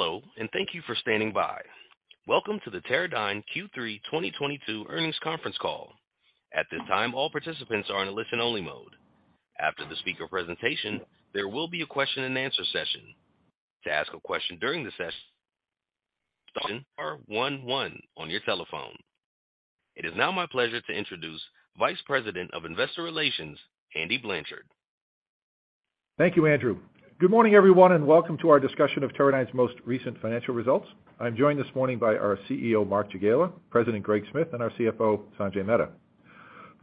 Hello, and thank you for standing by. Welcome to the Teradyne Q3 2022 Earnings Conference Call. At this time, all participants are in a listen-only mode. After the speaker presentation, there will be a question-and-answer session. To ask a question during the session, star one one on your telephone. It is now my pleasure to introduce Vice President of Investor Relations, Andy Blanchard. Thank you, Andrew. Good morning, everyone, and welcome to our discussion of Teradyne's most recent financial results. I'm joined this morning by our CEO, Mark Jagiela, President Greg Smith, and our CFO, Sanjay Mehta.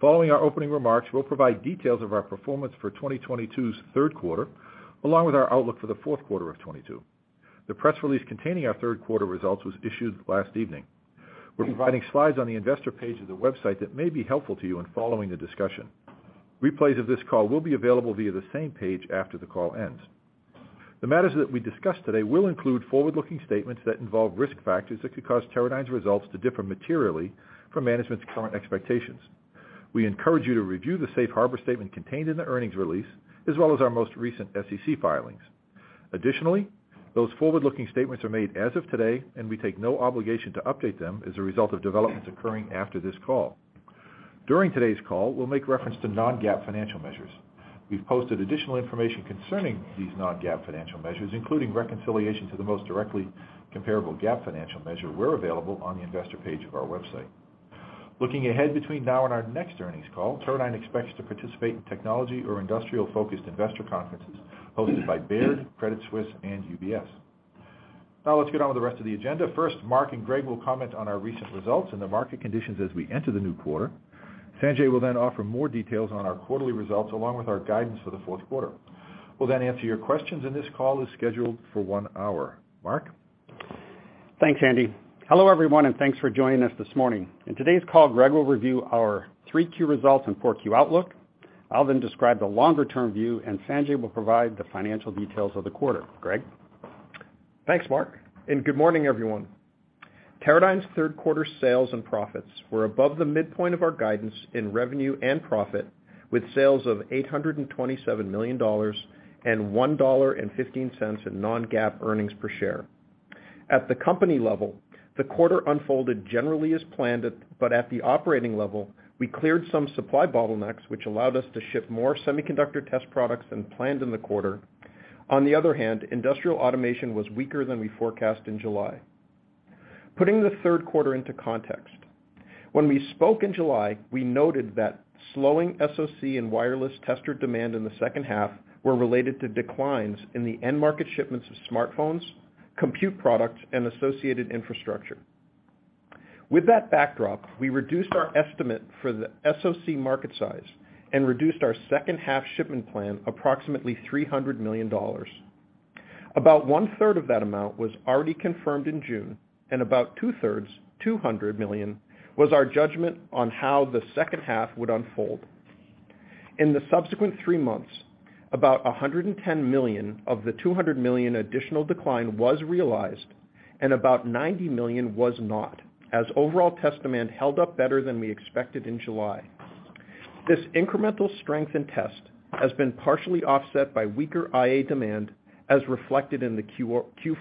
Following our opening remarks, we'll provide details of our performance for 2022's third quarter, along with our outlook for the fourth quarter of 2022. The press release containing our third quarter results was issued last evening. We're providing slides on the investor page of the website that may be helpful to you in following the discussion. Replays of this call will be available via the same page after the call ends. The matters that we discuss today will include forward-looking statements that involve risk factors that could cause Teradyne's results to differ materially from management's current expectations. We encourage you to review the safe harbor statement contained in the earnings release, as well as our most recent SEC filings. Additionally, those forward-looking statements are made as of today, and we take no obligation to update them as a result of developments occurring after this call. During today's call, we'll make reference to non-GAAP financial measures. We've posted additional information concerning these non-GAAP financial measures, including reconciliation to the most directly comparable GAAP financial measure, where available, on the investor page of our website. Looking ahead between now and our next earnings call, Teradyne expects to participate in technology or industrial-focused investor conferences hosted by Baird, Credit Suisse, and UBS. Now let's get on with the rest of the agenda. First, Mark and Greg will comment on our recent results and the market conditions as we enter the new quarter. Sanjay will then offer more details on our quarterly results, along with our guidance for the fourth quarter. We'll then answer your questions, and this call is scheduled for one hour. Mark? Thanks, Andy. Hello, everyone, and thanks for joining us this morning. In today's call, Greg will review our Q3 results and Q4 outlook. I'll then describe the longer-term view, and Sanjay will provide the financial details of the quarter. Greg? Thanks, Mark, and good morning, everyone. Teradyne's third quarter sales and profits were above the midpoint of our guidance in revenue and profit, with sales of $827 million and $1.15 in non-GAAP earnings per share. At the company level, the quarter unfolded generally as planned, but at the operating level, we cleared some supply bottlenecks, which allowed us to ship more semiconductor test products than planned in the quarter. On the other hand, Industrial Automation was weaker than we forecast in July. Putting the third quarter into context, when we spoke in July, we noted that slowing SoC and wireless tester demand in the second half were related to declines in the end-market shipments of smartphones, compute products, and associated infrastructure. With that backdrop, we reduced our estimate for the SoC market size and reduced our second half shipment plan approximately $300 million. About 1/3 of that amount was already confirmed in June, and about 2/3, $200 million, was our judgment on how the second half would unfold. In the subsequent three months, about $110 million of the $200 million additional decline was realized, and about $90 million was not, as overall test demand held up better than we expected in July. This incremental strength in test has been partially offset by weaker IA demand as reflected in the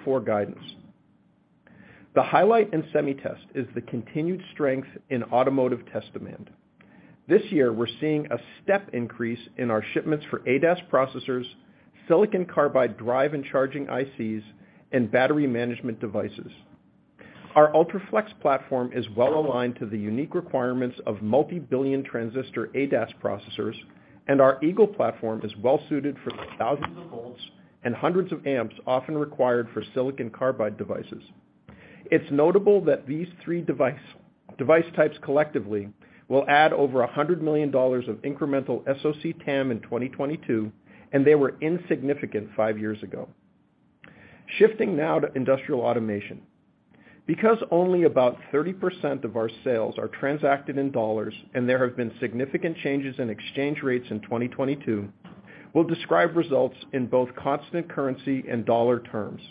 Q4 guidance. The highlight in Semi Test is the continued strength in automotive test demand. This year, we're seeing a step increase in our shipments for ADAS processors, silicon carbide drive and charging ICs, and battery management devices. Our UltraFLEXplus platform is well-aligned to the unique requirements of multi-billion transistor ADAS processors, and our Eagle platform is well-suited for the thousands of volts and hundreds of amps often required for silicon carbide devices. It's notable that these three device types collectively will add over $100 million of incremental SoC TAM in 2022, and they were insignificant five years ago. Shifting now to Industrial Automation. Because only about 30% of our sales are transacted in dollars, and there have been significant changes in exchange rates in 2022, we'll describe results in both constant currency and dollar terms.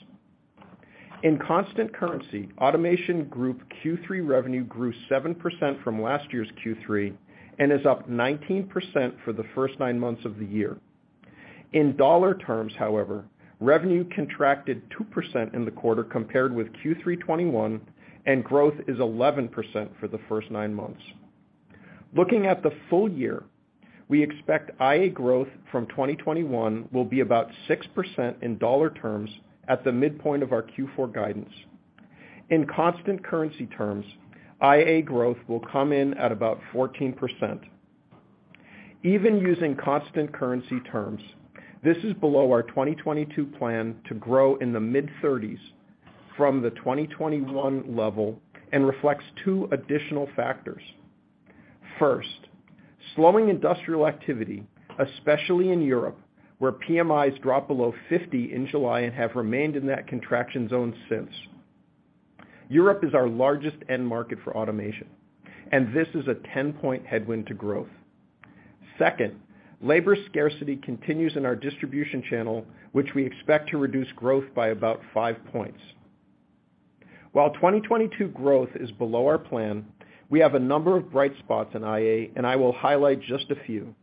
In constant currency, automation group Q3 revenue grew 7% from last year's Q3 and is up 19% for the first nine months of the year. In dollar terms, however, revenue contracted 2% in the quarter compared with Q3 2021, and growth is 11% for the first nine months. Looking at the full year, we expect IA growth from 2021 will be about 6% in dollar terms at the midpoint of our Q4 guidance. In constant currency terms, IA growth will come in at about 14%. Even using constant currency terms, this is below our 2022 plan to grow in the mid-30s from the 2021 level and reflects two additional factors. First, slowing industrial activity, especially in Europe, where PMIs dropped below 50 in July and have remained in that contraction zone since. Europe is our largest end market for automation, and this is a 10-point headwind to growth. Second, labor scarcity continues in our distribution channel, which we expect to reduce growth by about 5 points. While 2022 growth is below our plan, we have a number of bright spots in IA, and I will highlight just a few.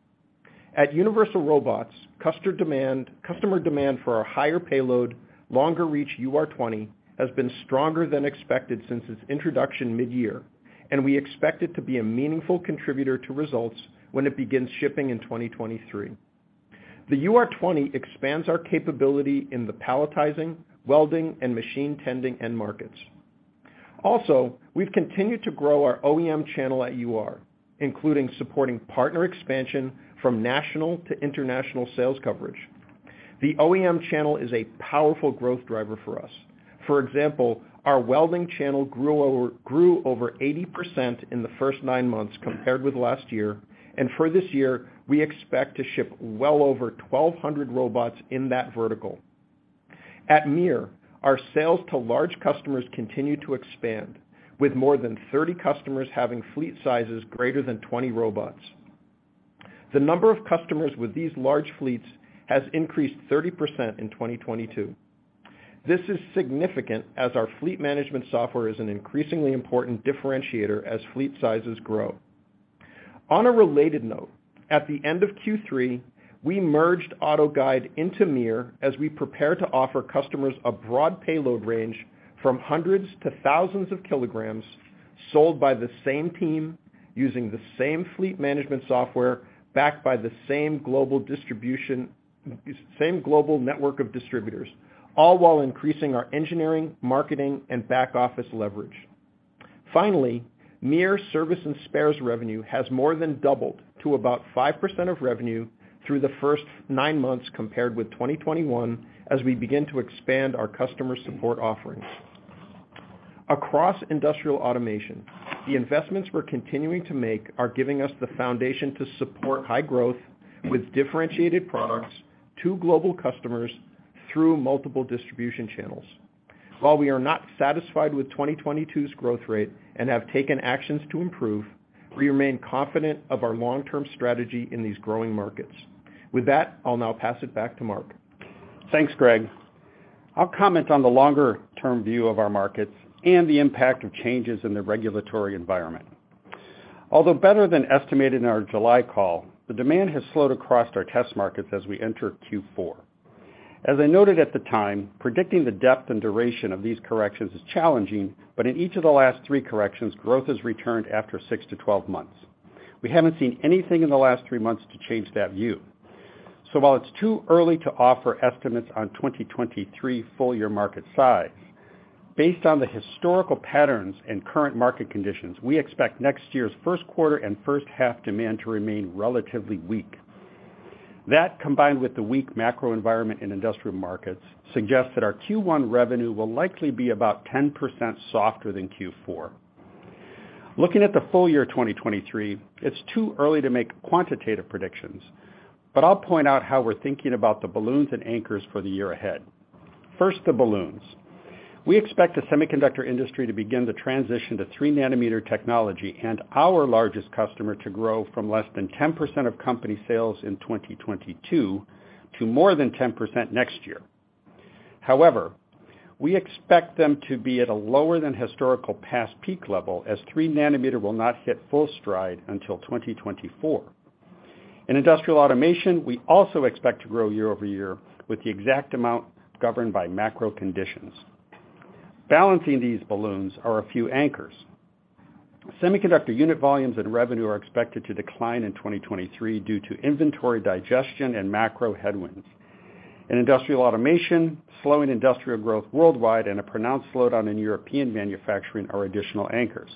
At Universal Robots, customer demand for our higher payload, longer reach UR20 has been stronger than expected since its introduction mid-year, and we expect it to be a meaningful contributor to results when it begins shipping in 2023. The UR20 expands our capability in the palletizing, welding, and machine tending end markets. Also, we've continued to grow our OEM channel at UR, including supporting partner expansion from national to international sales coverage. The OEM channel is a powerful growth driver for us. For example, our welding channel grew over 80% in the first nine months compared with last year, and for this year, we expect to ship well over 1,200 robots in that vertical. At MiR, our sales to large customers continue to expand, with more than 30 customers having fleet sizes greater than 20 robots. The number of customers with these large fleets has increased 30% in 2022. This is significant as our fleet management software is an increasingly important differentiator as fleet sizes grow. On a related note, at the end of Q3, we merged AutoGuide into MiR as we prepare to offer customers a broad payload range from hundreds to thousands of kilograms, sold by the same team, using the same fleet management software, backed by the same global distribution, same global network of distributors, all while increasing our engineering, marketing, and back office leverage. Finally, MiR service and spares revenue has more than doubled to about 5% of revenue through the first nine months compared with 2021 as we begin to expand our customer support offerings. Across Industrial Automation, the investments we're continuing to make are giving us the foundation to support high growth with differentiated products to global customers through multiple distribution channels. While we are not satisfied with 2022's growth rate and have taken actions to improve, we remain confident of our long-term strategy in these growing markets. With that, I'll now pass it back to Mark. Thanks, Greg. I'll comment on the longer term view of our markets and the impact of changes in the regulatory environment. Although better than estimated in our July call, the demand has slowed across our test markets as we enter Q4. As I noted at the time, predicting the depth and duration of these corrections is challenging, but in each of the last three corrections, growth has returned after six to 12 months. We haven't seen anything in the last three months to change that view. While it's too early to offer estimates on 2023 full year market size, based on the historical patterns and current market conditions, we expect next year's first quarter and first half demand to remain relatively weak. That, combined with the weak macro environment in industrial markets, suggests that our Q1 revenue will likely be about 10% softer than Q4. Looking at the full year 2023, it's too early to make quantitative predictions, but I'll point out how we're thinking about the balloons and anchors for the year ahead. First, the balloons. We expect the semiconductor industry to begin the transition to 3 nm technology and our largest customer to grow from less than 10% of company sales in 2022 to more than 10% next year. However, we expect them to be at a lower than historical past peak level as 3 nm will not hit full stride until 2024. In Industrial Automation, we also expect to grow year-over-year with the exact amount governed by macro conditions. Balancing these balloons are a few anchors. Semiconductor unit volumes and revenue are expected to decline in 2023 due to inventory digestion and macro headwinds. In Industrial Automation, slowing industrial growth worldwide and a pronounced slowdown in European manufacturing are additional anchors.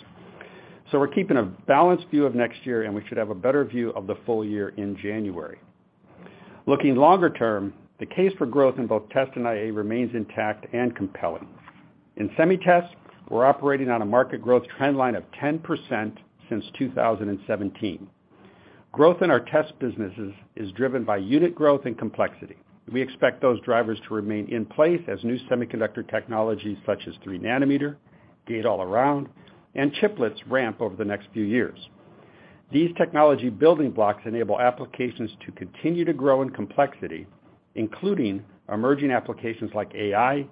We're keeping a balanced view of next year, and we should have a better view of the full year in January. Looking longer term, the case for growth in both test and IA remains intact and compelling. In Semi Test, we're operating on a market growth trend line of 10% since 2017. Growth in our test businesses is driven by unit growth and complexity. We expect those drivers to remain in place as new semiconductor technologies, such as 3 nm, gate-all-around, and chiplets ramp over the next few years. These technology building blocks enable applications to continue to grow in complexity, including emerging applications like AI,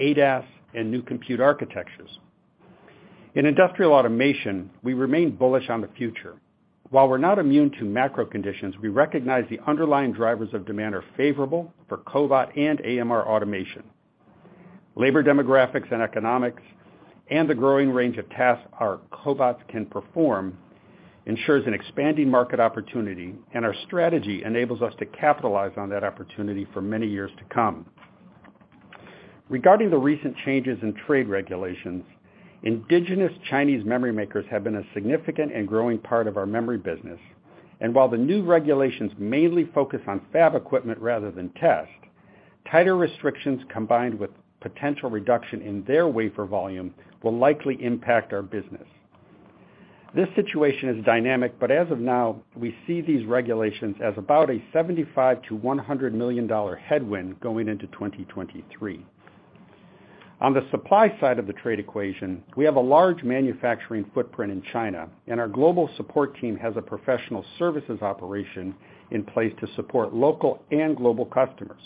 ADAS, and new compute architectures. In Industrial Automation, we remain bullish on the future. While we're not immune to macro conditions, we recognize the underlying drivers of demand are favorable for cobot and AMR automation. Labor demographics and economics and the growing range of tasks our cobots can perform ensures an expanding market opportunity, and our strategy enables us to capitalize on that opportunity for many years to come. Regarding the recent changes in trade regulations, indigenous Chinese memory makers have been a significant and growing part of our memory business, and while the new regulations mainly focus on fab equipment rather than test, tighter restrictions combined with potential reduction in their wafer volume will likely impact our business. This situation is dynamic, but as of now, we see these regulations as about a $75 million-$100 million headwind going into 2023. On the supply side of the trade equation, we have a large manufacturing footprint in China, and our global support team has a professional services operation in place to support local and global customers.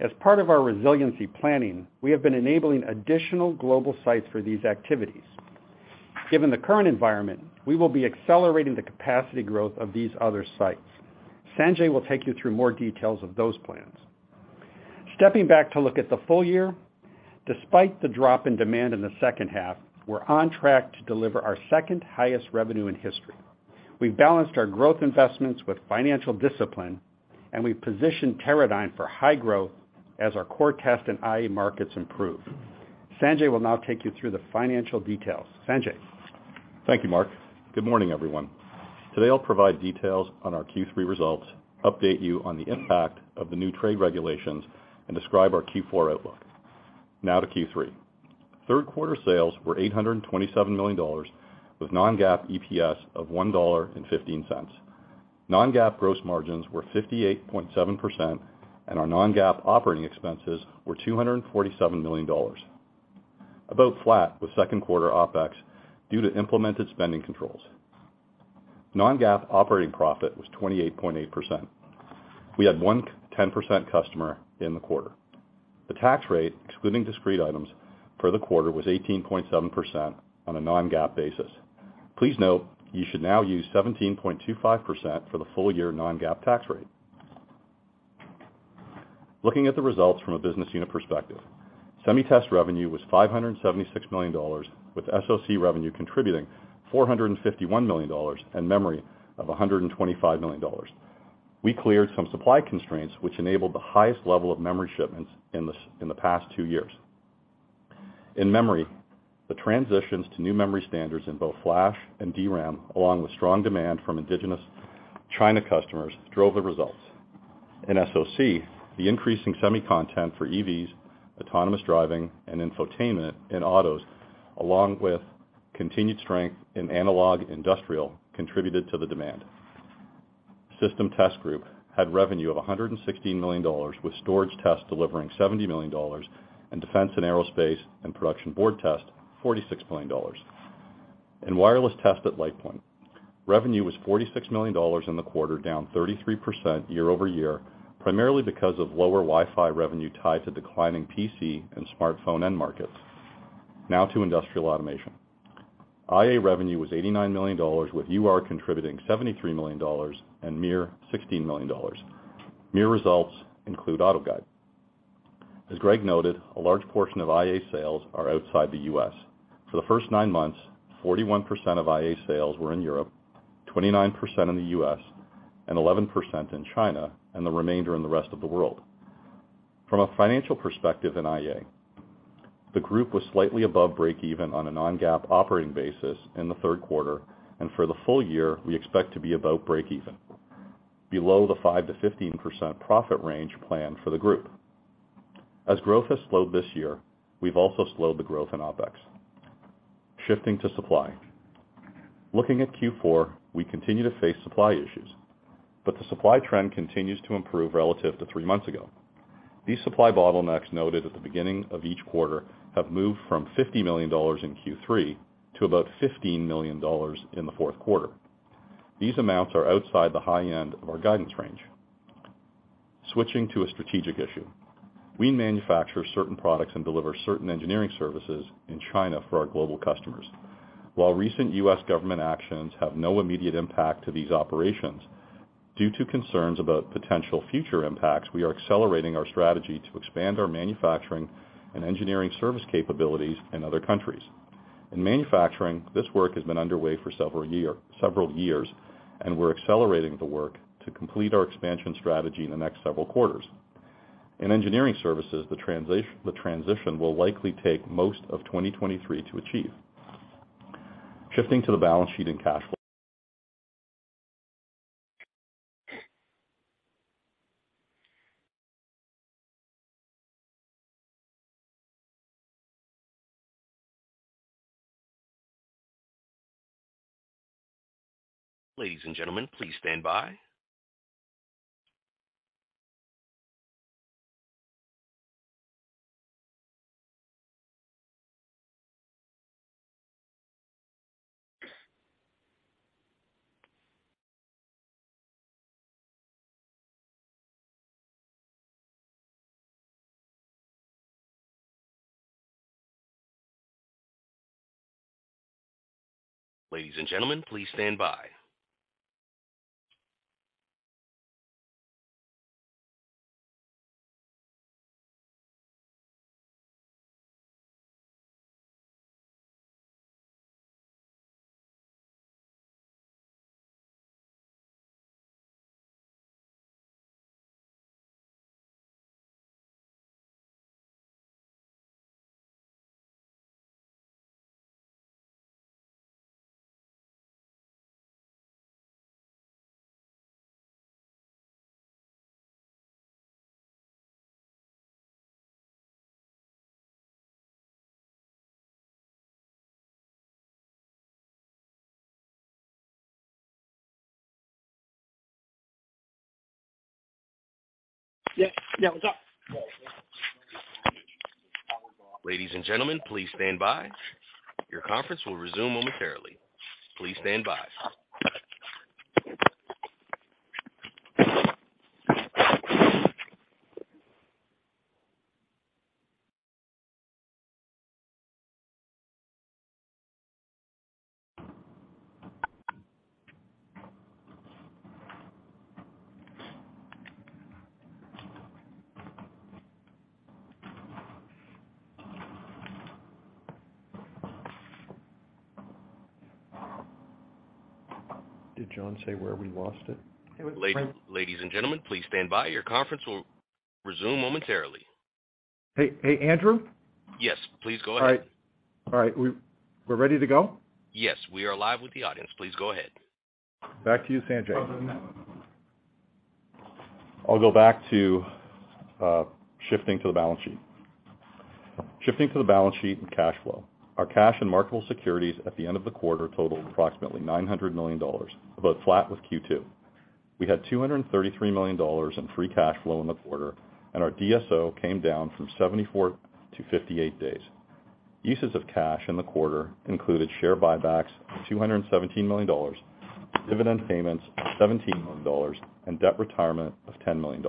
As part of our resiliency planning, we have been enabling additional global sites for these activities. Given the current environment, we will be accelerating the capacity growth of these other sites. Sanjay will take you through more details of those plans. Stepping back to look at the full year, despite the drop in demand in the second half, we're on track to deliver our second highest revenue in history. We balanced our growth investments with financial discipline, and we positioned Teradyne for high growth as our core test and IA markets improve. Sanjay will now take you through the financial details. Sanjay. Thank you, Mark. Good morning, everyone. Today, I'll provide details on our Q3 results, update you on the impact of the new trade regulations, and describe our Q4 outlook. Now to Q3. Third quarter sales were $827 million with non-GAAP EPS of $1.15. Non-GAAP gross margins were 58.7%, and our non-GAAP operating expenses were $247 million, about flat with second quarter OpEx due to implemented spending controls. Non-GAAP operating profit was 28.8%. We had one 10% customer in the quarter. The tax rate, excluding discrete items for the quarter, was 18.7% on a non-GAAP basis. Please note you should now use 17.25% for the full year non-GAAP tax rate. Looking at the results from a business unit perspective, Semi Test revenue was $576 million, with SoC revenue contributing $451 million, and memory of $125 million. We cleared some supply constraints which enabled the highest level of memory shipments in the past two years. In memory, the transitions to new memory standards in both flash and DRAM, along with strong demand from indigenous China customers, drove the results. In SoC, the increasing semi content for EVs, autonomous driving, and infotainment in autos, along with continued strength in analog industrial, contributed to the demand. System Test Group had revenue of $116 million, with storage test delivering $70 million, and defense and aerospace and production board test $46 million. In wireless test at LitePoint, revenue was $46 million in the quarter, down 33% year-over-year, primarily because of lower Wi-Fi revenue tied to declining PC and smartphone end markets. Now to Industrial Automation. IA revenue was $89 million, with UR contributing $73 million and MiR $16 million. MiR results include AutoGuide. As Greg noted, a large portion of IA sales are outside the U.S. For the first nine months, 41% of IA sales were in Europe, 29% in the U.S., and 11% in China, and the remainder in the rest of the world. From a financial perspective in IA, the group was slightly above break-even on a non-GAAP operating basis in the third quarter, and for the full year, we expect to be about break-even, below the 5%-15% profit range plan for the group. As growth has slowed this year, we've also slowed the growth in OpEx. Shifting to supply. Looking at Q4, we continue to face supply issues, but the supply trend continues to improve relative to three months ago. These supply bottlenecks noted at the beginning of each quarter have moved from $50 million in Q3 to about $15 million in the fourth quarter. These amounts are outside the high end of our guidance range. Switching to a strategic issue. We manufacture certain products and deliver certain engineering services in China for our global customers. While recent U.S. government actions have no immediate impact to these operations, due to concerns about potential future impacts, we are accelerating our strategy to expand our manufacturing and engineering service capabilities in other countries. In manufacturing, this work has been underway for several years, and we're accelerating the work to complete our expansion strategy in the next several quarters. In engineering services, the transition will likely take most of 2023 to achieve. Shifting to the balance sheet and cash flow. Ladies and gentlemen, please stand by. Ladies and gentlemen, please stand by. Your conference will resume momentarily. Please stand by. Did John say where we lost it? Ladies and gentlemen, please stand by. Your conference will resume momentarily. Hey, Andrew? Yes, please go ahead. All right, we're ready to go? Yes, we are live with the audience. Please go ahead. Back to you, Sanjay. I'll go back to shifting to the balance sheet and cash flow. Our cash and marketable securities at the end of the quarter totaled approximately $900 million, about flat with Q2. We had $233 million in free cash flow in the quarter, and our DSO came down from 74 to 58 days. Uses of cash in the quarter included share buybacks of $217 million, dividend payments of $17 million, and debt retirement of $10 million.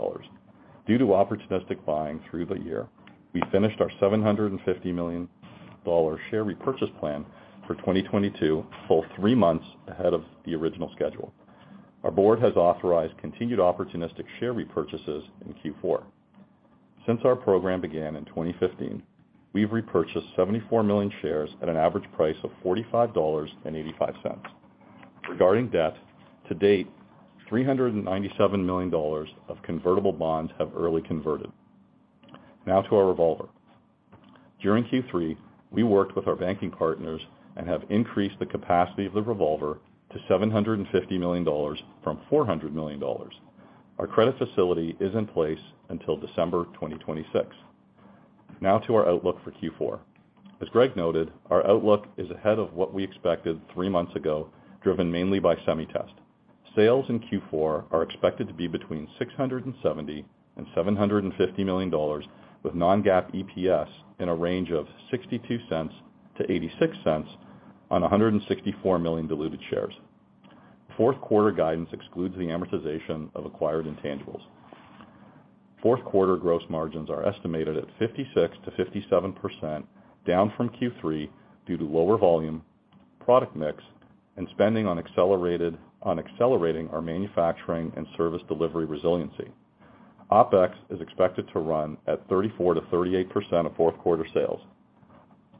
Due to opportunistic buying through the year, we finished our $750 million share repurchase plan for 2022, a full three months ahead of the original schedule. Our board has authorized continued opportunistic share repurchases in Q4. Since our program began in 2015, we've repurchased 74 million shares at an average price of $45.85. Regarding debt, to date, $397 million of convertible bonds have early converted. Now to our revolver. During Q3, we worked with our banking partners and have increased the capacity of the revolver to $750 million from $400 million. Our credit facility is in place until December 2026. Now to our outlook for Q4. As Greg noted, our outlook is ahead of what we expected three months ago, driven mainly by Semi Test. Sales in Q4 are expected to be between $670 million and $750 million, with non-GAAP EPS in a range of $0.62-$0.86 on 164 million diluted shares. Fourth quarter guidance excludes the amortization of acquired intangibles. Fourth quarter gross margins are estimated at 56%-57%, down from Q3 due to lower volume, product mix, and spending on accelerating our manufacturing and service delivery resiliency. OpEx is expected to run at 34%-38% of fourth quarter sales.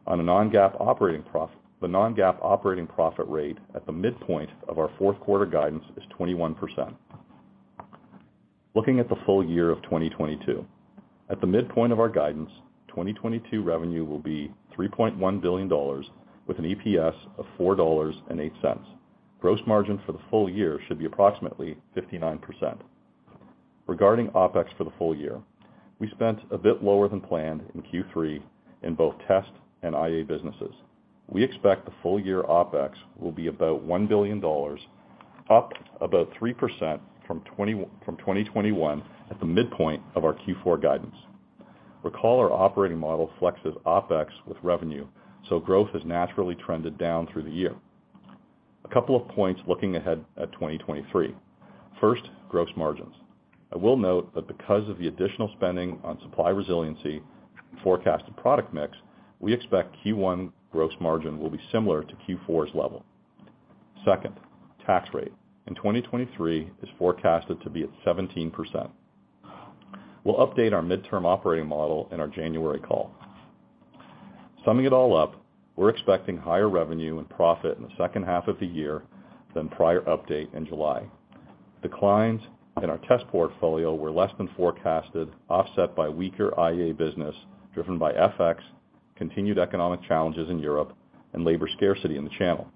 On a non-GAAP operating profit rate at the midpoint of our fourth quarter guidance is 21%. Looking at the full year of 2022. At the midpoint of our guidance, 2022 revenue will be $3.1 billion with an EPS of $4.08. Gross margin for the full year should be approximately 59%. Regarding OpEx for the full year, we spent a bit lower than planned in Q3 in both test and IA businesses. We expect the full year OpEx will be about $1 billion, up about 3% from 2021 at the midpoint of our Q4 guidance. Recall our operating model flexes OpEx with revenue, so growth has naturally trended down through the year. A couple of points looking ahead at 2023. First, gross margins. I will note that because of the additional spending on supply resiliency and forecasted product mix, we expect Q1 gross margin will be similar to Q4's level. Second, tax rate in 2023 is forecasted to be at 17%. We'll update our midterm operating model in our January call. Summing it all up, we're expecting higher revenue and profit in the second half of the year than prior update in July. Declines in our test portfolio were less than forecasted, offset by weaker IA business, driven by FX, continued economic challenges in Europe, and labor scarcity in the channel.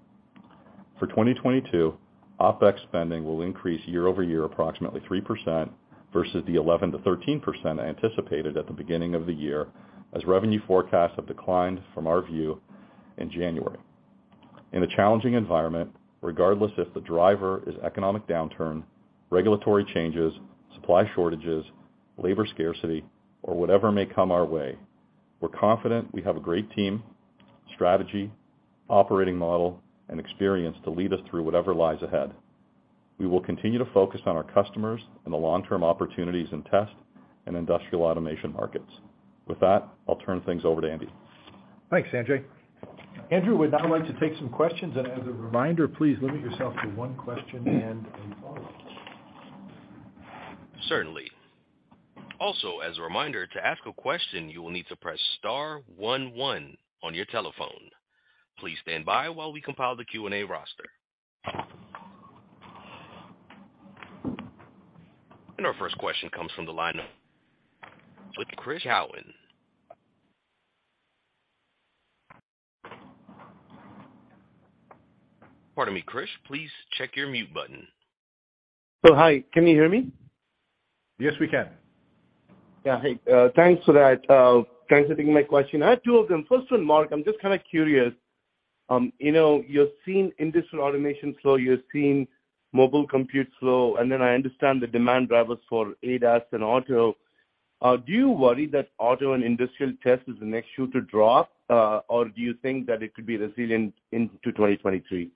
For 2022, OpEx spending will increase year-over-year approximately 3% versus the 11%-13% anticipated at the beginning of the year, as revenue forecasts have declined from our view in January. In a challenging environment, regardless if the driver is economic downturn, regulatory changes, supply shortages, labor scarcity, or whatever may come our way, we're confident we have a great team, strategy, operating model, and experience to lead us through whatever lies ahead. We will continue to focus on our customers and the long-term opportunities in test and industrial automation markets. With that, I'll turn things over to Andy. Thanks, Sanjay. Andrew would now like to take some questions. As a reminder, please limit yourself to one question and a follow-up. Certainly. Also, as a reminder, to ask a question, you will need to press star one one on your telephone. Please stand by while we compile the Q&A roster. Our first question comes from the line with Krish Sankar. Pardon me, Krish, please check your mute button. Hi. Can you hear me? Yes, we can. Yeah. Hey, thanks for that. Transitioning to my question. I have two of them. First one, Mark, I'm just kind of curious. You know, you're seeing industrial automation slow, you're seeing mobile compute slow, and then I understand the demand drivers for ADAS and auto. Do you worry that auto and industrial test is the next shoe to drop? Or do you think that it could be resilient into 2023?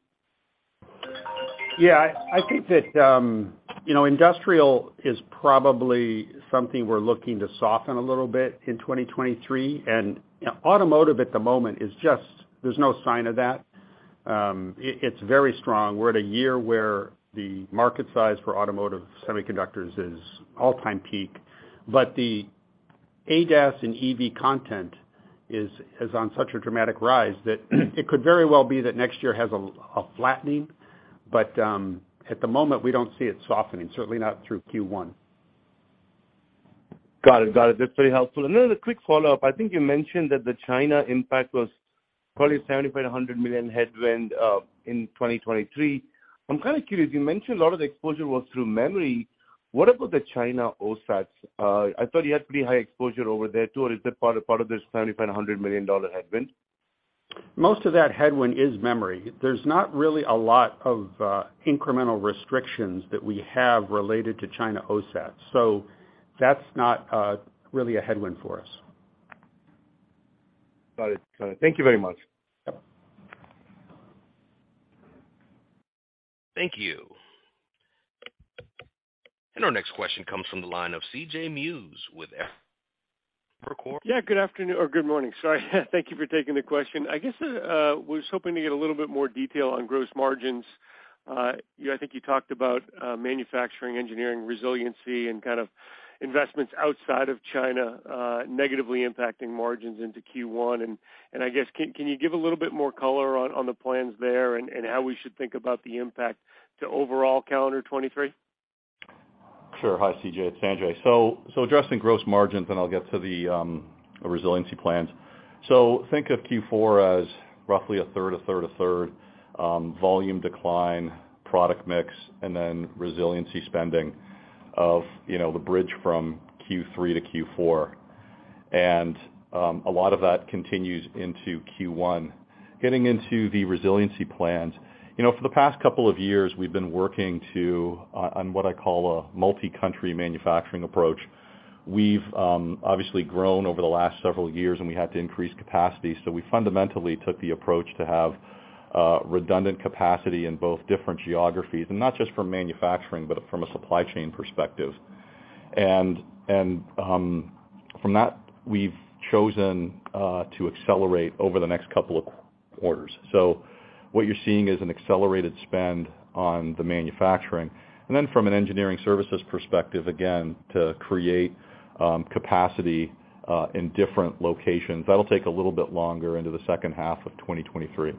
Yeah, I think that, you know, industrial is probably something we're looking to soften a little bit in 2023. Automotive at the moment is just. There's no sign of that. It's very strong. We're at a year where the market size for automotive semiconductors is all-time peak. The ADAS and EV content is on such a dramatic rise that it could very well be that next year has a flattening. At the moment, we don't see it softening, certainly not through Q1. Got it. That's very helpful. As a quick follow-up, I think you mentioned that the China impact was probably $75 million-$100 million headwind in 2023. I'm kind of curious, you mentioned a lot of the exposure was through memory. What about the China OSATs? I thought you had pretty high exposure over there too. Is that part of this $75 million-$100 million headwind? Most of that headwind is memory. There's not really a lot of incremental restrictions that we have related to China OSAT. That's not really a headwind for us. Got it. Thank you very much. Thank you. Our next question comes from the line of C.J. Muse with. Yeah. Good afternoon or good morning. Sorry. Thank you for taking the question. I guess I was hoping to get a little bit more detail on gross margins. I think you talked about manufacturing, engineering, resiliency, and kind of investments outside of China negatively impacting margins into Q1. I guess can you give a little bit more color on the plans there and how we should think about the impact to overall calendar 2023? Sure. Hi, C.J. It's Sanjay. Addressing gross margins, and I'll get to the resiliency plans. Think of Q4 as roughly a third volume decline, a third product mix, and a third resiliency spending of, you know, the bridge from Q3 to Q4. A lot of that continues into Q1. Getting into the resiliency plans. You know, for the past couple of years, we've been working on what I call a multi-country manufacturing approach. We've obviously grown over the last several years, and we had to increase capacity. We fundamentally took the approach to have redundant capacity in both different geographies, and not just for manufacturing, but from a supply chain perspective. From that, we've chosen to accelerate over the next couple of quarters. What you're seeing is an accelerated spend on the manufacturing. From an engineering services perspective, again, to create capacity in different locations. That'll take a little bit longer into the second half of 2023.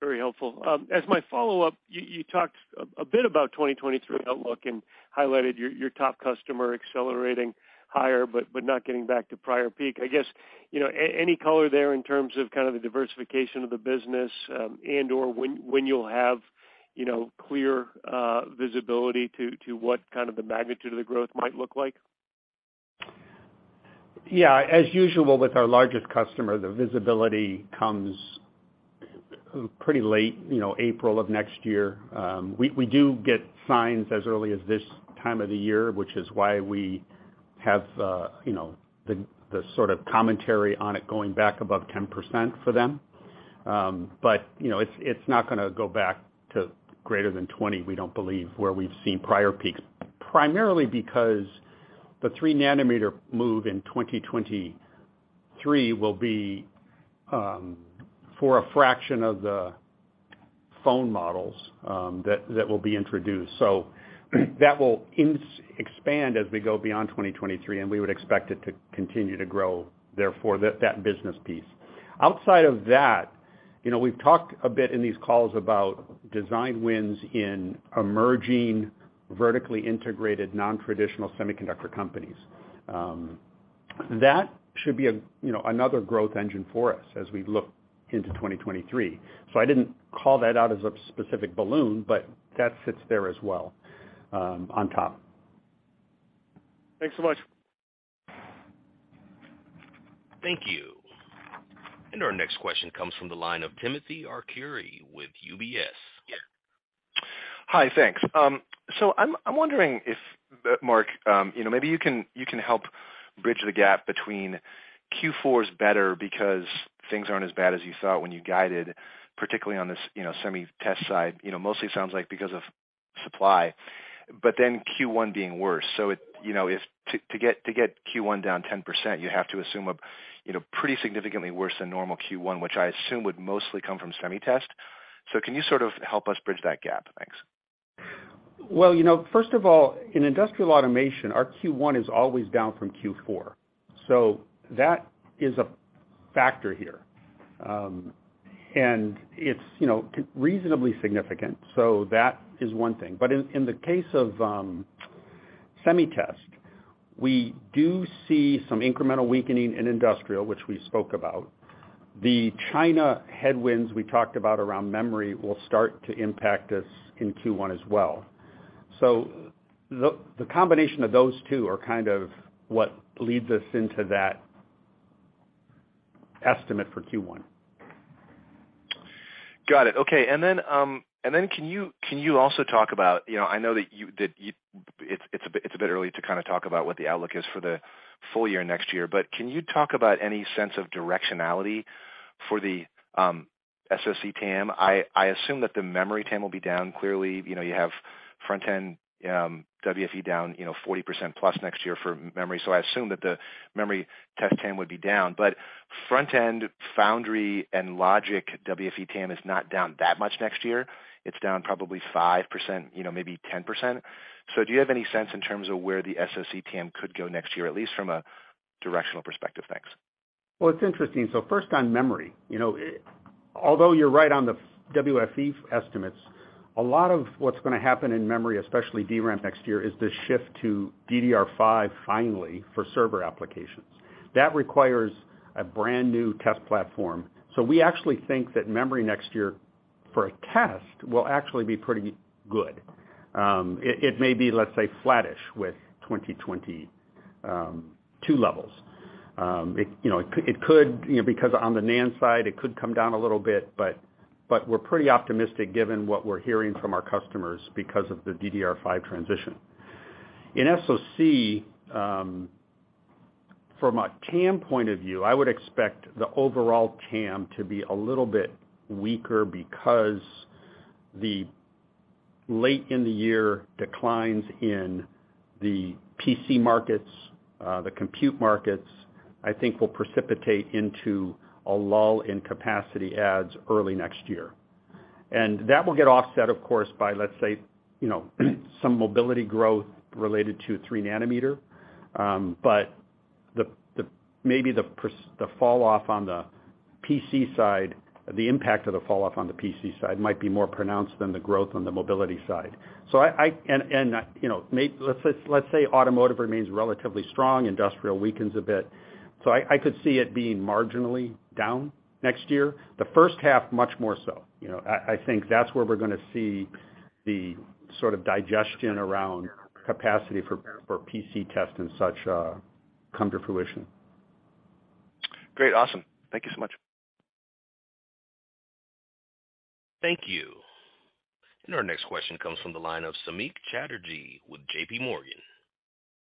Very helpful. As my follow-up, you talked a bit about 2023 outlook and highlighted your top customer accelerating higher, but not getting back to prior peak. I guess, you know, any color there in terms of kind of the diversification of the business, and/or when you'll have, you know, clear visibility to what kind of the magnitude of the growth might look like? Yeah. As usual with our largest customer, the visibility comes pretty late, you know, April of next year. We do get signs as early as this time of the year, which is why we have, you know, the sort of commentary on it going back above 10% for them. You know, it's not gonna go back to greater than 20%, we don't believe, where we've seen prior peaks, primarily because the 3 nm move in 2023 will be for a fraction of the phone models that will be introduced. That will expand as we go beyond 2023, and we would expect it to continue to grow, therefore, that business piece. Outside of that, you know, we've talked a bit in these calls about design wins in emerging vertically integrated non-traditional semiconductor companies. That should be, you know, another growth engine for us as we look into 2023. I didn't call that out as a specific balloon, but that sits there as well, on top. Thanks so much. Thank you. Our next question comes from the line of Timothy Arcuri with UBS. Yeah. Hi. Thanks. I'm wondering if, Mark, you know, maybe you can help bridge the gap between Q4's better because things aren't as bad as you thought when you guided, particularly on this, you know, Semi Test side, you know, mostly sounds like because of supply, but then Q1 being worse. It, you know, to get Q1 down 10%, you have to assume a, you know, pretty significantly worse than normal Q1, which I assume would mostly come from Semi Test. Can you sort of help us bridge that gap? Thanks. Well, you know, first of all, in Industrial Automation, our Q1 is always down from Q4. That is a factor here. It's, you know, reasonably significant. That is one thing. In the case of Semi Test, we do see some incremental weakening in industrial, which we spoke about. The China headwinds we talked about around memory will start to impact us in Q1 as well. The combination of those two are kind of what leads us into that estimate for Q1. Got it. Okay. Can you also talk about, you know, I know that it's a bit early to kind of talk about what the outlook is for the full year next year, but can you talk about any sense of directionality for the SoC TAM? I assume that the memory TAM will be down clearly. You know, you have front-end WFE down 40% plus next year for memory. So I assume that the memory test TAM would be down, but front-end foundry and logic WFE TAM is not down that much next year. It's down probably 5%, you know, maybe 10%. So do you have any sense in terms of where the SoC TAM could go next year, at least from a directional perspective? Thanks. Well, it's interesting. First on memory, you know, although you're right on the WFE estimates, a lot of what's gonna happen in memory, especially DRAM next year, is the shift to DDR5 finally for server applications. That requires a brand new test platform. We actually think that memory next year for a test will actually be pretty good. It may be, let's say, flattish with 2022 levels. It could, you know, because on the NAND side, it could come down a little bit, but we're pretty optimistic given what we're hearing from our customers because of the DDR5 transition. In SoC, from a TAM point of view, I would expect the overall TAM to be a little bit weaker because the late in the year declines in the PC markets, the compute markets, I think will precipitate into a lull in capacity adds early next year. That will get offset, of course, by, let's say, you know, some mobility growth related to 3 nm. But the fall off on the PC side, the impact of the fall off on the PC side might be more pronounced than the growth on the mobility side. You know, let's say automotive remains relatively strong, industrial weakens a bit. I could see it being marginally down next year. The first half, much more so. You know, I think that's where we're gonna see the sort of digestion around capacity for PC test and such come to fruition. Great. Awesome. Thank you so much. Thank you. Our next question comes from the line of Samik Chatterjee with JPMorgan.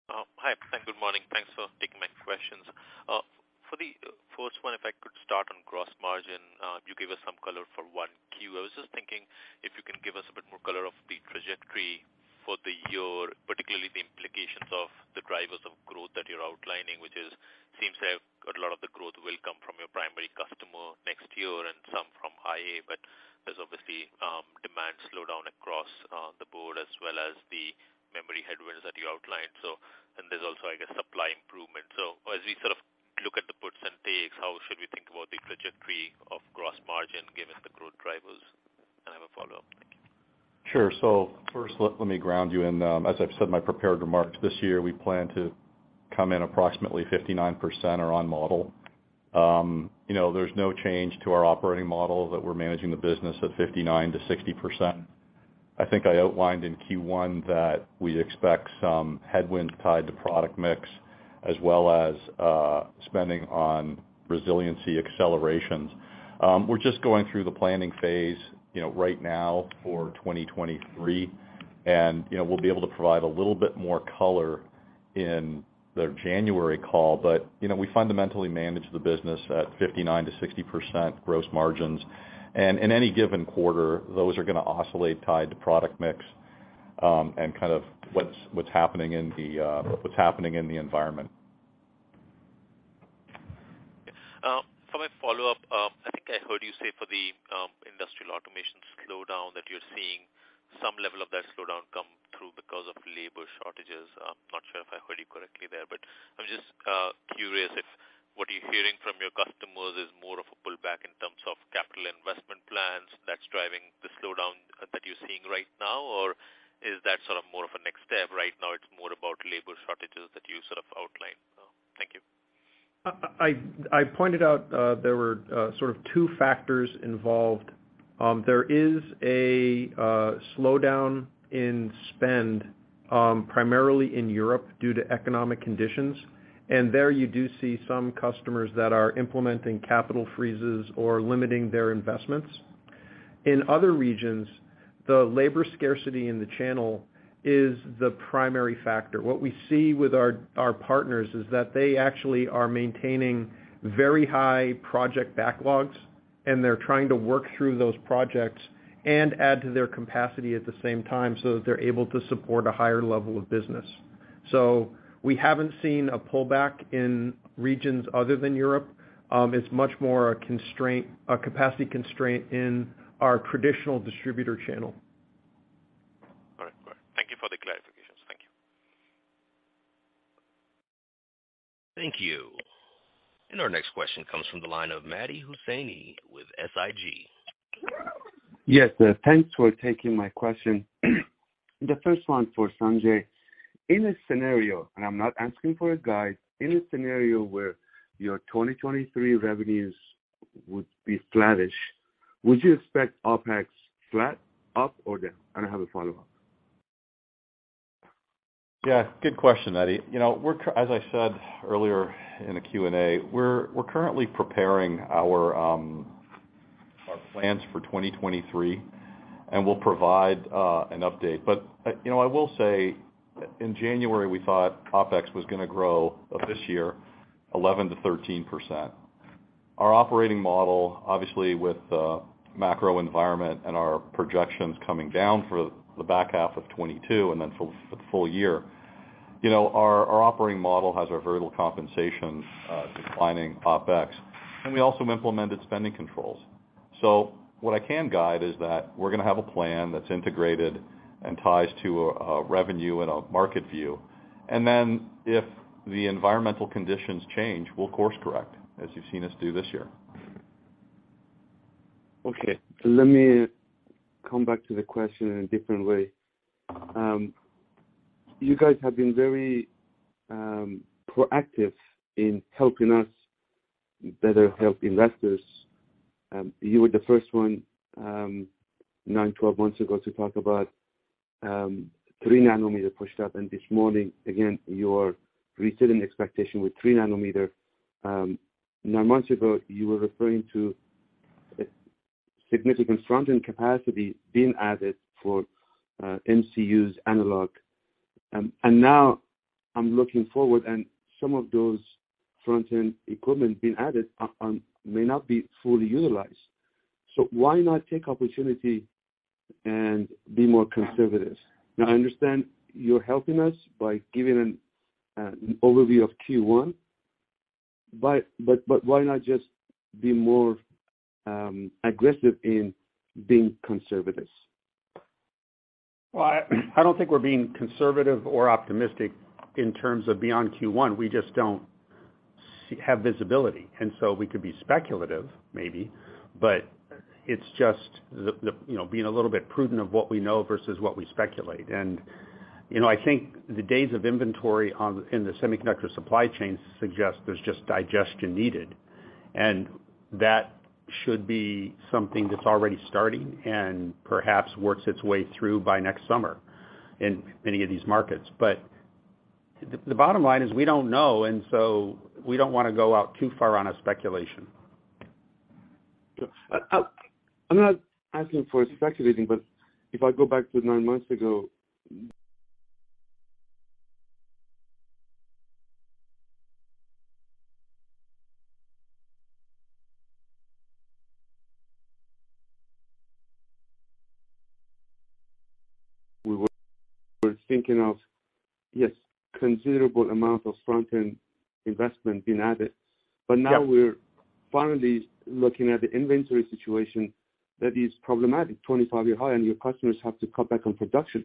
Hi. Good morning. Thanks for taking my questions. For the first one, if I could start on gross margin. You gave us some color for Q1. I was just thinking if you can give us a bit more color on the trajectory for the year, particularly the implications of the drivers of growth that you're outlining, which seems to have got a lot of the growth will come from your primary customer next year and some from IA, but there's obviously demand slowdown across the board as well as the memory headwinds that you outlined. And there's also, I guess, supply improvement. As we sort of look at the puts and takes, how should we think about the trajectory of gross margin given the growth drivers? I have a follow-up. Thank you. Sure. First, let me ground you in, as I've said in my prepared remarks, this year, we plan to come in approximately 59% or on model. You know, there's no change to our operating model that we're managing the business at 59%-60%. I think I outlined in Q1 that we expect some headwinds tied to product mix as well as spending on resiliency accelerations. We're just going through the planning phase, you know, right now for 2023, and we'll be able to provide a little bit more color in the January call. You know, we fundamentally manage the business at 59%-60% gross margins. In any given quarter, those are gonna oscillate tied to product mix, and kind of what's happening in the environment. Okay. For my follow-up, I think I heard you say for the Industrial Automation slowdown that you're seeing some level of that slowdown come through because of labor shortages. I'm not sure if I heard you correctly there, but I'm just curious if what you're hearing from your customers is more of a pullback in terms of capital investment plans that's driving the slowdown that you're seeing right now, or is that sort of more of a next step? Right now it's more about labor shortages that you sort of outlined. Thank you. I pointed out there were sort of two factors involved. There is a slowdown in spend primarily in Europe due to economic conditions. There you do see some customers that are implementing capital freezes or limiting their investments. In other regions, the labor scarcity in the channel is the primary factor. What we see with our partners is that they actually are maintaining very high project backlogs, and they're trying to work through those projects and add to their capacity at the same time so that they're able to support a higher level of business. We haven't seen a pullback in regions other than Europe. It's much more a constraint, a capacity constraint in our traditional distributor channel. All right. Thank you for the clarifications. Thank you. Thank you. Our next question comes from the line of Mehdi Hosseini with SIG. Yes. Thanks for taking my question. The first one for Sanjay. In a scenario, and I'm not asking for a guide, in a scenario where your 2023 revenues would be flattish, would you expect OpEx flat, up or down? And I have a follow-up. Yeah, good question, Mehdi. You know, as I said earlier in the Q&A, we're currently preparing our plans for 2023, and we'll provide an update. You know, I will say in January, we thought OpEx was gonna grow for this year 11%-13%. Our operating model, obviously, with the macro environment and our projections coming down for the back half of 2022 and then for the full year, you know, our operating model has a very little compensation declining OpEx, and we also implemented spending controls. What I can guide is that we're gonna have a plan that's integrated and ties to a revenue and a market view. Then if the environmental conditions change, we'll course correct, as you've seen us do this year. Okay. Let me come back to the question in a different way. You guys have been very proactive in helping us better help investors. You were the first one nine to 12 months ago to talk about 3 nm pushout. This morning, again, you're resetting expectation with 3 nm. Nine months ago, you were referring to a significant front-end capacity being added for MCUs analog. Now I'm looking forward, and some of those front-end equipment being added are may not be fully utilized. Why not take opportunity and be more conservative? Now, I understand you're helping us by giving an overview of Q1, but why not just be more aggressive in being conservative? Well, I don't think we're being conservative or optimistic in terms of beyond Q1. We just don't have visibility. We could be speculative maybe, but it's just the you know, being a little bit prudent of what we know versus what we speculate. You know, I think the days of inventory in the semiconductor supply chain suggest there's just digestion needed. That should be something that's already starting and perhaps works its way through by next summer in many of these markets. The bottom line is we don't know, and so we don't wanna go out too far on a speculation. I'm not asking for speculation, but if I go back to nine months ago, we're thinking of yes, considerable amount of front-end investment being added. Yeah. Now we're finally looking at the inventory situation that is problematic, 25-year high, and your customers have to cut back on production.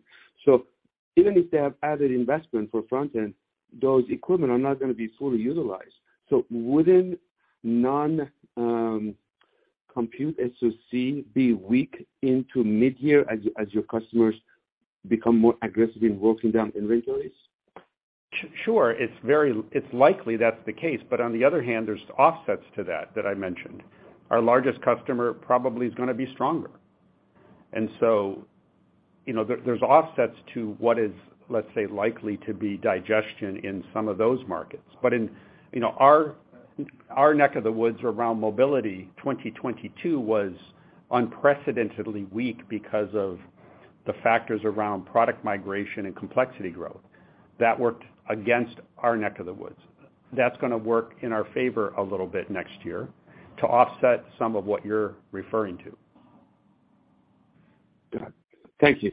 Even if they have added investment for front end, those equipment are not gonna be fully utilized. Wouldn't non-compute SoC be weak into mid-year as your customers become more aggressive in working down inventories? Sure. It's likely that's the case. On the other hand, there's offsets to that I mentioned. Our largest customer probably is gonna be stronger. You know, there's offsets to what is, let's say, likely to be digestion in some of those markets. In, you know, our neck of the woods around mobility, 2022 was unprecedentedly weak because of the factors around product migration and complexity growth. That worked against our neck of the woods. That's gonna work in our favor a little bit next year to offset some of what you're referring to. Got it. Thank you.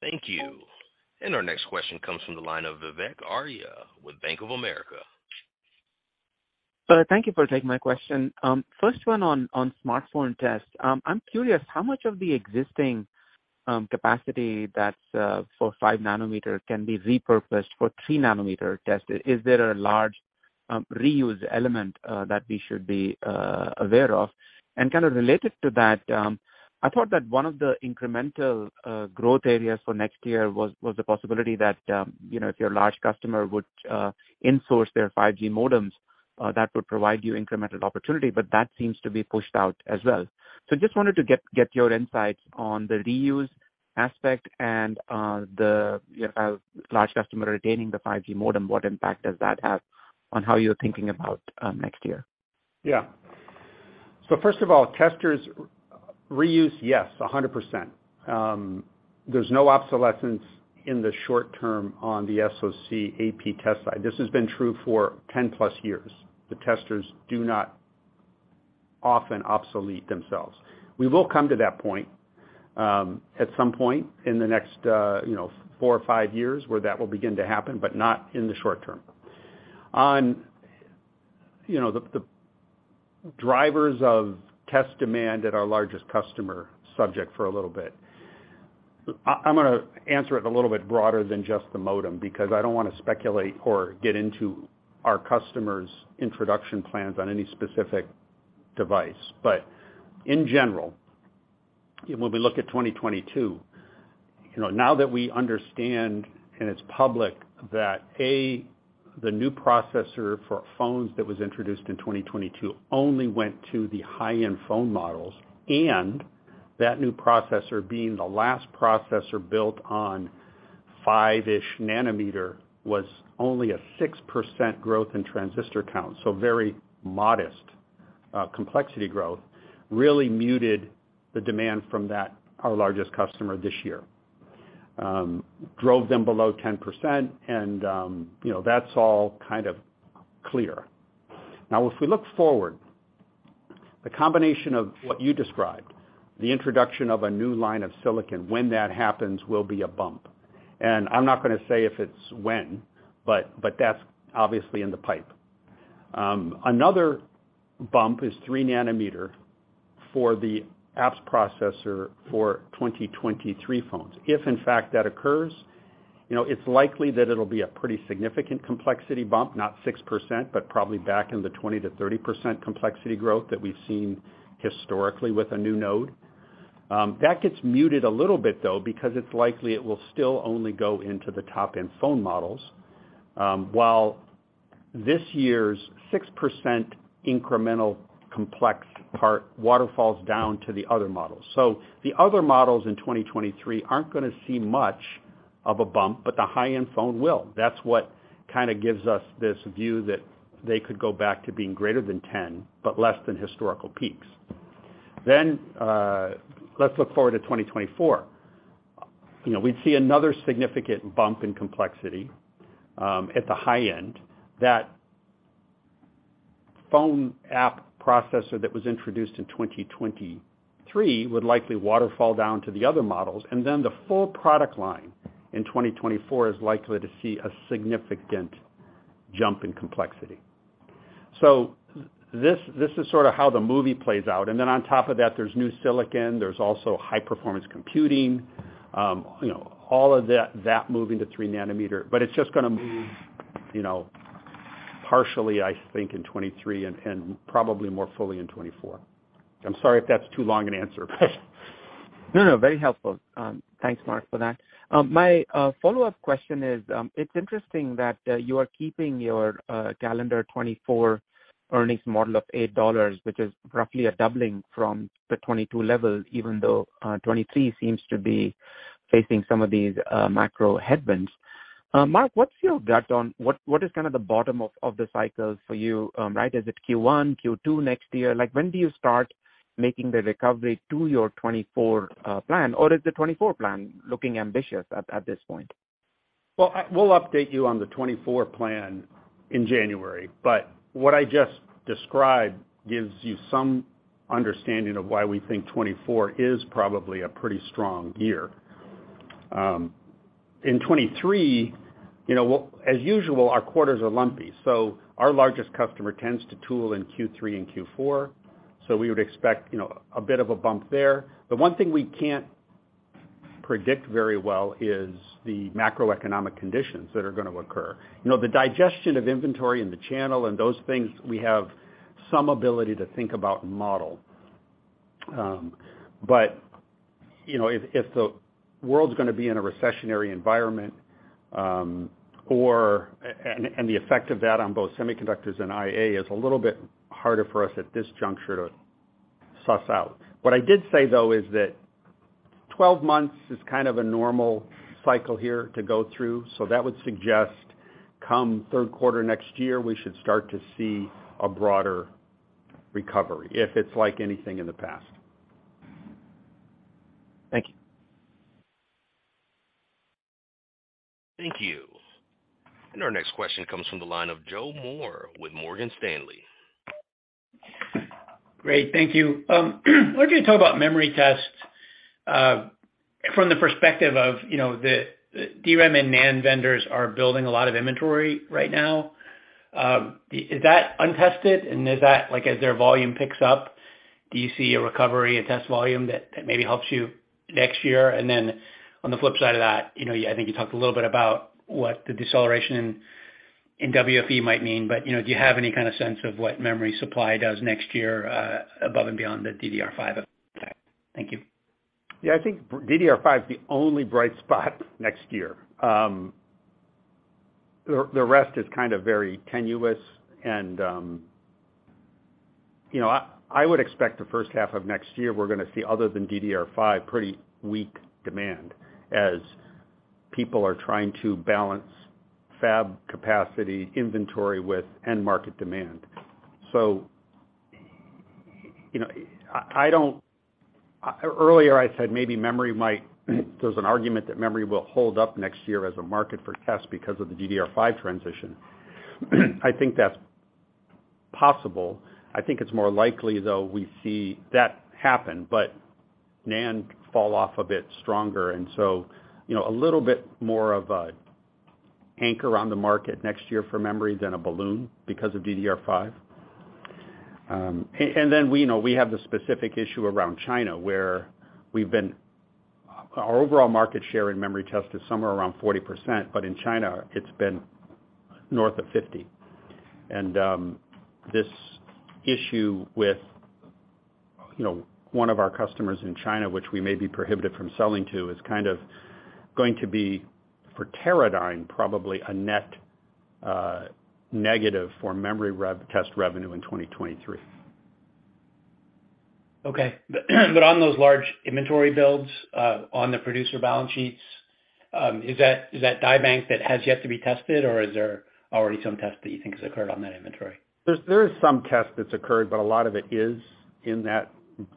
Thank you. Our next question comes from the line of Vivek Arya with Bank of America. Thank you for taking my question. First one on smartphone test. I'm curious how much of the existing capacity that's for 5 nm can be repurposed for 3 nm test? Is there a large reuse element that we should be aware of? And kind of related to that, I thought that one of the incremental growth areas for next year was the possibility that, you know, if your large customer would insource their 5G modems, that would provide you incremental opportunity, but that seems to be pushed out as well. Just wanted to get your insights on the reuse aspect and, you know, how large customer retaining the 5G modem, what impact does that have on how you're thinking about next year? Yeah. First of all, testers reuse, yes, 100%. There's no obsolescence in the short term on the SoC AP test side. This has been true for 10+ years. The testers do not often obsolete themselves. We will come to that point at some point in the next, you know, four or five years where that will begin to happen, but not in the short term. On, you know, the drivers of test demand at our largest customer subject for a little bit. I'm gonna answer it a little bit broader than just the modem because I don't wanna speculate or get into our customers' introduction plans on any specific device. In general, when we look at 2022, you know, now that we understand and it's public that the new processor for phones that was introduced in 2022 only went to the high-end phone models, and that new processor being the last processor built on 5 nm was only a 6% growth in transistor count, so very modest complexity growth really muted the demand from that, our largest customer this year. Drove them below 10% and, you know, that's all kind of clear. Now, if we look forward, the combination of what you described, the introduction of a new line of silicon, when that happens will be a bump. I'm not gonna say if it's when, but that's obviously in the pipe. Another bump is 3 nm for the apps processor for 2023 phones. If in fact that occurs, you know, it's likely that it'll be a pretty significant complexity bump, not 6%, but probably back in the 20%-30% complexity growth that we've seen historically with a new node. That gets muted a little bit though, because it's likely it will still only go into the top-end phone models, while this year's 6% incremental complex part waterfalls down to the other models. The other models in 2023 aren't gonna see much of a bump, but the high-end phone will. That's what kinda gives us this view that they could go back to being greater than 10%, but less than historical peaks. Let's look forward to 2024. You know, we'd see another significant bump in complexity at the high end. That phone app processor that was introduced in 2023 would likely waterfall down to the other models, and then the full product line in 2024 is likely to see a significant jump in complexity. This is sort of how the movie plays out, and then on top of that, there's new silicon, there's also high performance computing, you know, all of that moving to 3 nm, but it's just gonna, you know, partially, I think in 2023 and probably more fully in 2024. I'm sorry if that's too long an answer, but No, no. Very helpful. Thanks, Mark, for that. My follow-up question is, it's interesting that, you are keeping your, calendar 2024 earnings model of $8, which is roughly a doubling from the 2022 level, even though, 2023 seems to be facing some of these, macro headwinds. Mark, what's your gut on what is kind of the bottom of the cycles for you, right? Is it Q1, Q2 next year? Like, when do you start making the recovery to your 2024, plan? Or is the 2024 plan looking ambitious at this point? We'll update you on the 2024 plan in January, but what I just described gives you some understanding of why we think 2024 is probably a pretty strong year. In 2023, you know, as usual, our quarters are lumpy, so our largest customer tends to tool in Q3 and Q4, so we would expect, you know, a bit of a bump there. The one thing we can't predict very well is the macroeconomic conditions that are gonna occur. You know, the digestion of inventory in the channel and those things, we have some ability to think about and model. But, you know, if the world's gonna be in a recessionary environment, or and the effect of that on both semiconductors and IA is a little bit harder for us at this juncture to suss out. What I did say, though, is that 12 months is kind of a normal cycle here to go through, so that would suggest come third quarter next year, we should start to see a broader recovery, if it's like anything in the past. Thank you. Thank you. Our next question comes from the line of Joe Moore with Morgan Stanley. Great. Thank you. We're gonna talk about memory tests from the perspective of, you know, the DRAM and NAND vendors are building a lot of inventory right now. Is that untested? Is that like, as their volume picks up, do you see a recovery in test volume that maybe helps you next year? Then on the flip side of that, you know, yeah, I think you talked a little bit about what the deceleration in WFE might mean, but, you know, do you have any kind of sense of what memory supply does next year above and beyond the DDR5 effect? Thank you. Yeah. I think DDR5 is the only bright spot next year. The rest is kind of very tenuous and, you know, I would expect the first half of next year, we're gonna see, other than DDR5, pretty weak demand as people are trying to balance fab capacity inventory with end market demand. You know, earlier I said there's an argument that memory will hold up next year as a market for test because of the DDR5 transition. I think that's possible. I think it's more likely, though, we see that happen, but NAND fall off a bit stronger, and you know, a little bit more of an anchor on the market next year for memory than a balloon because of DDR5. We know we have the specific issue around China. Our overall market share in memory test is somewhere around 40%, but in China it's been north of 50%. This issue with, you know, one of our customers in China, which we may be prohibited from selling to, is kind of going to be, for Teradyne, probably a net negative for memory test revenue in 2023. Okay. On those large inventory builds on the producer balance sheets, is that die bank that has yet to be tested or is there already some test that you think has occurred on that inventory? There is some test that's occurred, but a lot of it is in that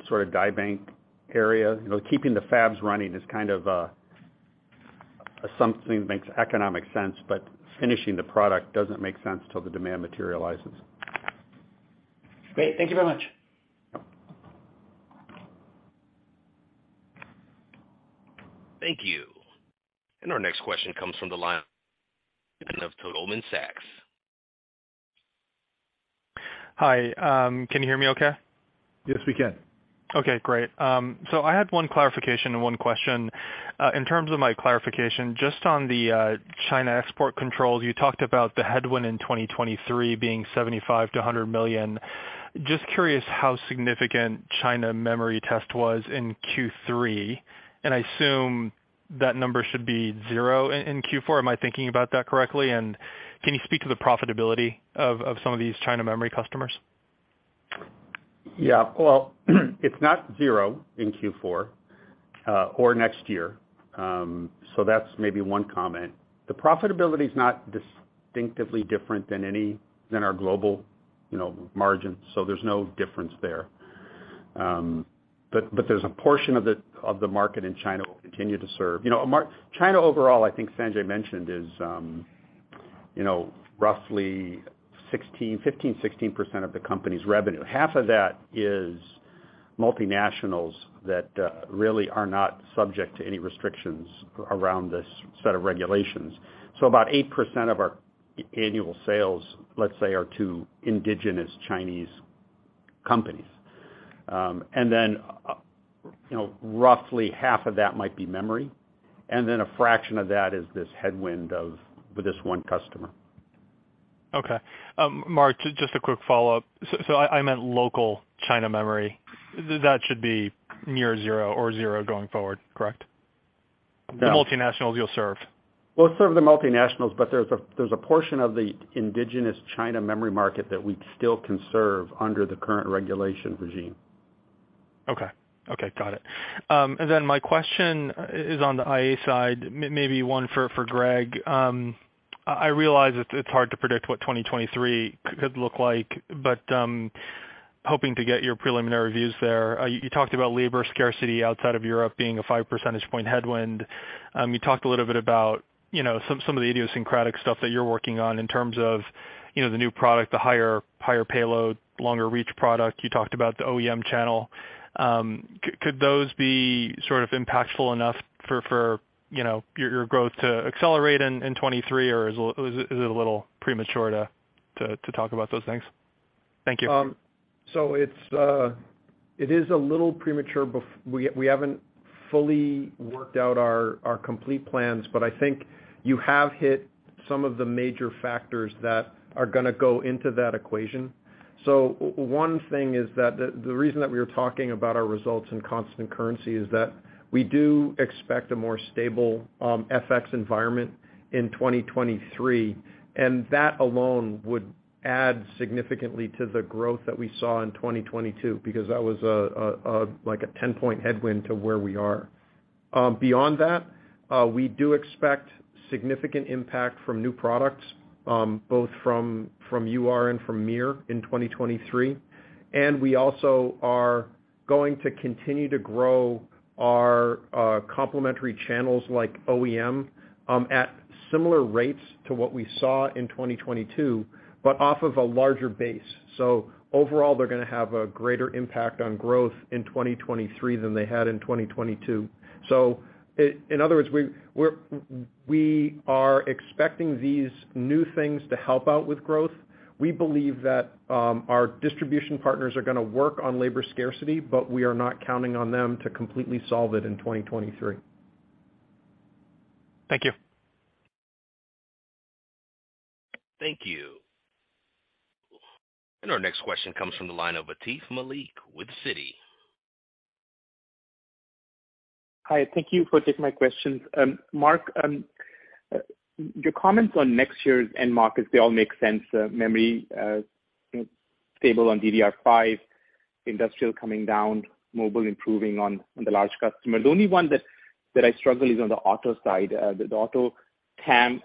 sort of die bank area. You know, keeping the fabs running is kind of a something that makes economic sense, but finishing the product doesn't make sense till the demand materializes. Great. Thank you very much. Thank you. Our next question comes from the line of Toshiya Hari, Goldman Sachs. Hi, can you hear me okay? Yes, we can. Okay, great. I had one clarification and one question. In terms of my clarification, just on the China export controls, you talked about the headwind in 2023 being $75 million-$100 million. Just curious how significant China memory test was in Q3. I assume that number should be zero in Q4. Am I thinking about that correctly? Can you speak to the profitability of some of these China memory customers? Yeah. Well, it's not zero in Q4 or next year. That's maybe one comment. The profitability is not distinctively different than our global, you know, margin, so there's no difference there. There's a portion of the market in China we'll continue to serve. You know, China overall, I think Sanjay mentioned, is, you know, roughly 15%, 16% of the company's revenue. Half of that is multinationals that really are not subject to any restrictions around this set of regulations. About 8% of our annual sales, let's say, are to indigenous Chinese companies. And then, you know, roughly half of that might be memory, and then a fraction of that is this headwind of this one customer. Okay. Mark, just a quick follow-up. I meant local China memory. That should be near zero or zero going forward, correct? No. The multinationals you'll serve. We'll serve the multinationals, but there's a portion of the indigenous China memory market that we still can serve under the current regulation regime. Okay. Okay, got it. My question is on the IA side, maybe one for Greg. I realize it's hard to predict what 2023 could look like, but hoping to get your preliminary views there. You talked about labor scarcity outside of Europe being a 5 percentage point headwind. You talked a little bit about, you know, some of the idiosyncratic stuff that you're working on in terms of, you know, the new product, the higher payload, longer reach product. You talked about the OEM channel. Could those be sort of impactful enough for, you know, your growth to accelerate in 2023 or is it a little premature to talk about those things? Thank you. It is a little premature. We haven't fully worked out our complete plans, but I think you have hit some of the major factors that are gonna go into that equation. One thing is that the reason that we were talking about our results in constant currency is that we do expect a more stable FX environment in 2023, and that alone would add significantly to the growth that we saw in 2022, because that was a like a 10-point headwind to where we are. Beyond that, we do expect significant impact from new products, both from UR and from MiR in 2023. We also are going to continue to grow our complementary channels like OEM at similar rates to what we saw in 2022, but off of a larger base. Overall, they're gonna have a greater impact on growth in 2023 than they had in 2022. In other words, we are expecting these new things to help out with growth. We believe that our distribution partners are gonna work on labor scarcity, but we are not counting on them to completely solve it in 2023. Thank you. Thank you. Our next question comes from the line of Atif Malik with Citi. Hi, thank you for taking my questions. Mark, your comments on next year's end markets, they all make sense. Memory, you know, stable on DDR5, industrial coming down, mobile improving on the large customer. The only one that I struggle is on the auto side. The auto TAM,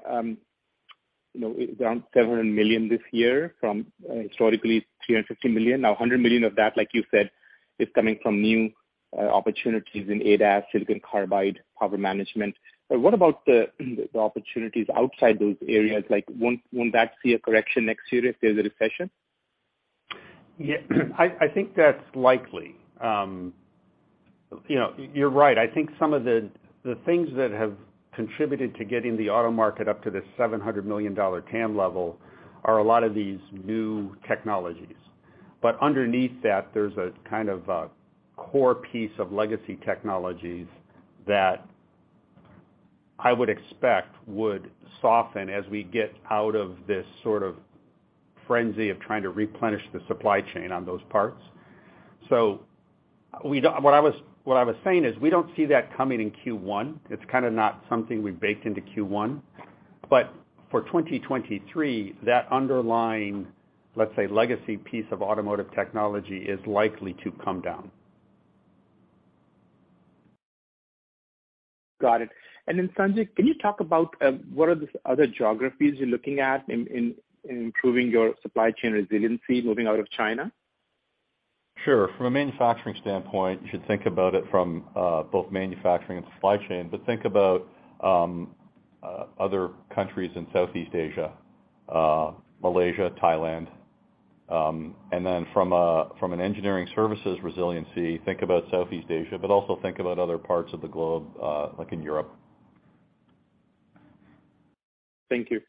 you know, around $700 million this year from historically $350 million. Now, $100 million of that, like you said, is coming from new opportunities in ADAS, silicon carbide, power management. But what about the opportunities outside those areas? Like, won't that see a correction next year if there's a recession? Yeah. I think that's likely. You know, you're right. I think some of the things that have contributed to getting the auto market up to the $700 million TAM level are a lot of these new technologies. Underneath that, there's a kind of a core piece of legacy technologies that I would expect would soften as we get out of this sort of frenzy of trying to replenish the supply chain on those parts. What I was saying is we don't see that coming in Q1. It's kinda not something we baked into Q1. For 2023, that underlying, let's say, legacy piece of automotive technology is likely to come down. Got it. Sanjay, can you talk about what are the other geographies you're looking at in improving your supply chain resiliency moving out of China? Sure. From a manufacturing standpoint, you should think about it from both manufacturing and supply chain. Think about other countries in Southeast Asia, Malaysia, Thailand. From an engineering services resiliency, think about Southeast Asia, but also think about other parts of the globe, like in Europe. Thank you.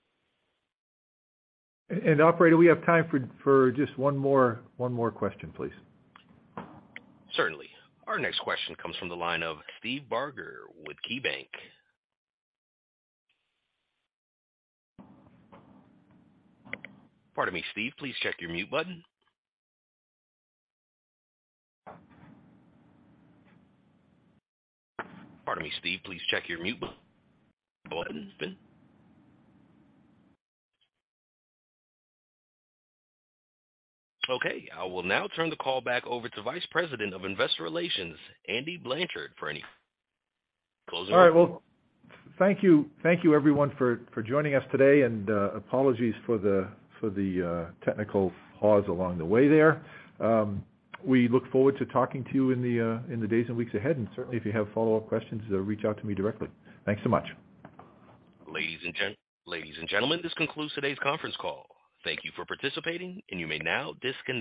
Operator, we have time for just one more question, please. Certainly. Our next question comes from the line of Steve Barger with KeyBanc. Pardon me, Steve. Please check your mute button. Okay, I will now turn the call back over to Vice President of Investor Relations, Andy Blanchard, for any closing remarks. All right. Well, thank you. Thank you, everyone, for joining us today. Apologies for the technical pause along the way there. We look forward to talking to you in the days and weeks ahead. Certainly, if you have follow-up questions, reach out to me directly. Thanks so much. Ladies and gentlemen, this concludes today's conference call. Thank you for participating, and you may now disconnect.